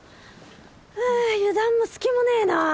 ハア油断も隙もねえな。